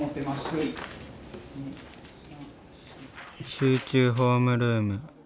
集中ホームルーム。